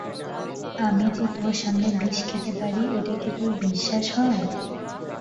আমি যে তোর সামনে বিষ খেতে পারি এটা কি তোর বিশ্বাস হয়?